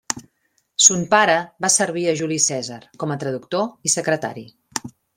Son pare va servir a Juli Cèsar com a traductor i secretari.